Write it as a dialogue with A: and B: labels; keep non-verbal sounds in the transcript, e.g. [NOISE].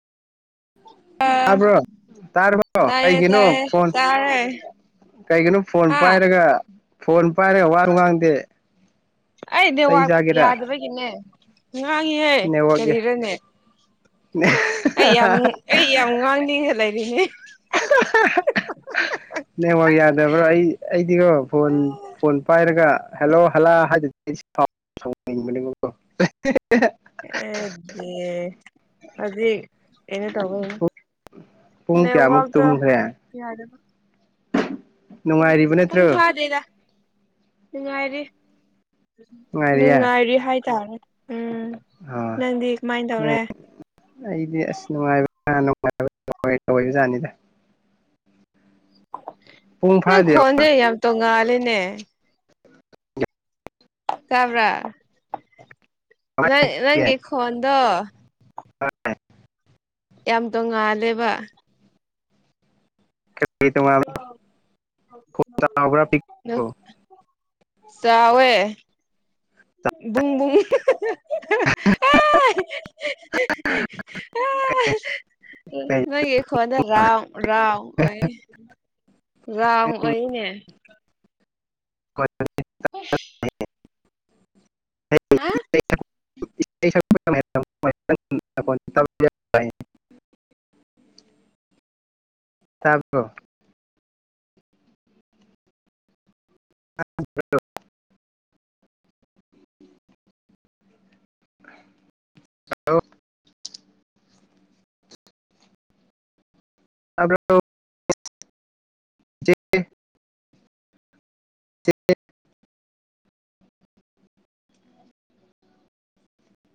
A: [INAUDIBLE]
B: ꯑ
A: ꯇꯥꯔꯕ꯭ꯔꯣ [INAUDIBLE] ꯇꯥꯔꯕ꯭ꯔꯣ
B: ꯇꯥꯏꯌꯦ
A: ꯀꯩꯒꯤꯅꯣ
B: ꯇꯥꯏꯌꯦ
A: ꯐꯣꯟ [INAUDIBLE]
B: ꯇꯥꯔꯦ
A: ꯀꯩꯒꯤꯅꯣ ꯐꯣꯟ
B: ꯍꯥ
A: ꯄꯥꯏꯔꯒ [INAUDIBLE] ꯐꯣꯟ ꯄꯥꯏꯔꯒꯥ ꯋꯥ ꯋꯥꯉꯥꯡꯗꯦ [INAUDIBLE] ꯆꯩ ꯆꯥꯒꯦꯔꯥ
B: ꯅꯦꯅꯥ [INAUDIBLE] ꯉꯥꯡꯉꯤꯍꯦ
A: ꯅꯦꯠꯋꯥꯛ
B: ꯀꯔꯤꯔꯅꯦ
A: [INAUDIBLE]
B: ꯑꯩ ꯌꯥꯝ ꯑꯩ ꯌꯥꯝ ꯉꯥꯡꯅꯤꯡꯉ ꯂꯩꯔꯤꯅꯦ [UNINTELLIGIBLE]
A: ꯅꯦꯇꯋꯥꯀ ꯌꯥꯗꯕ꯭ꯔ‌ꯣ ꯑꯩ ꯑꯩꯗꯤꯀ‌ꯣ ꯐꯣꯟ ꯐꯣꯟ ꯄꯥꯏꯔꯒ ꯍꯦꯜꯂꯣ ꯍꯜꯂꯥ ꯍꯥꯏꯗꯨꯗꯤ [UNINTELLIGIBLE] [UNINTELLIGIBLE] [UNINTELLIGIBLE]
B: [UNINTELLIGIBLE] ꯑꯗꯨꯗꯤ ꯀꯅꯣ ꯇꯧꯕꯩꯅ [UNINTELLIGIBLE]
A: ꯄꯨꯡ ꯀꯌꯥꯃꯨꯛ
B: ꯅ‌ꯩꯋꯥꯛꯇꯣ
A: ꯇꯨꯝꯈ꯭ꯔꯦ
B: [INAUDIBLE] ꯌꯥꯗꯕꯩ ꯨ [UNINTELLIGIBLE]
A: ꯅꯨꯡꯉꯥꯏꯔꯤꯕ
B: ꯄꯨꯡ
A: ꯅꯠꯇ꯭ꯔꯣ
B: ꯐꯥꯗ‌ꯦꯗ [INAUDIBLE] ꯅꯨꯡꯉꯥꯏꯔꯤ [INAUDIBLE]
A: ꯅꯨꯡꯉꯥꯏꯔꯤꯌꯦ
B: ꯅꯨꯡꯉꯥꯏꯔꯤ ꯍꯥꯏꯇꯝꯅꯤ
A: ꯑꯥ [INAUDIBLE] ꯅꯦ [INAUDIBLE] ꯑꯩꯗꯤ ꯑꯁ ꯅꯨꯡꯉꯥꯏꯕꯅ ꯅꯨꯡꯉꯥꯏꯕ ꯇꯧꯕ ꯖꯥꯠꯅꯤꯗ ꯄꯨꯡ
B: [UNINTELLIGIBLE] ꯅꯪ
A: ꯐꯥꯗꯦꯕ
B: ꯈꯣꯟꯖꯦ ꯌꯥꯝ ꯇꯣꯡꯉꯥꯜꯂꯤꯅꯦ ꯇꯥꯕ꯭ꯔꯥ [UNINTELLIGIBLE] ꯅꯪ ꯅꯪꯒꯤ ꯈꯣꯟꯗꯣ
A: [UNINTELLIGIBLE]
B: ꯌꯥꯝ ꯇꯣꯡꯉꯥꯜꯂꯦꯕ
A: [UNINTELLIGIBLE] ꯈ‌ꯣꯟ ꯆꯥꯎꯕꯔꯥ ꯄꯤꯛ
B: ꯅ [INAUDIBLE] ꯆꯥꯎꯋꯦ ꯕꯨꯡ ꯕꯨꯡ [UNINTELLIGIBLE] [UNINTELLIGIBLE] [UNINTELLIGIBLE] ꯑꯥ [UNINTELLIGIBLE] [UNINTELLIGIBLE] [UNINTELLIGIBLE] ꯑꯥ [UNINTELLIGIBLE] [UNINTELLIGIBLE] ꯅ‌ꯣꯏꯒꯤ ꯈꯣꯟꯗ‌ꯣ ꯔꯥꯎ ꯔꯥꯎ ꯑꯣꯏꯌ‌ꯦ ꯔꯥꯎꯅ ꯑꯣꯏꯌ‌ꯦꯅꯦ
A: [UNINTELLIGIBLE] [UNINTELLIGIBLE] [UNINTELLIGIBLE] [UNINTELLIGIBLE]
B: ꯍꯥ
A: [UNINTELLIGIBLE] [UNINTELLIGIBLE] [UNINTELLIGIBLE] [UNINTELLIGIBLE] [UNINTELLIGIBLE] ꯇꯥꯕꯔ‌ꯣ ꯁꯥ [UNINTELLIGIBLE] [UNINTELLIGIBLE] ꯍꯜꯂꯣ ꯇꯥꯕꯔ‌ꯣ ꯆ‌ꯦ‌ [UNINTELLIGIBLE] ꯆ [UNINTELLIGIBLE] [UNINTELLIGIBLE]